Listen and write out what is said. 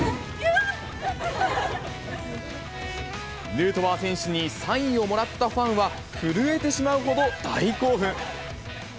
ヌートバー選手にサインをもらったファンは、震えてしまうほど大興奮。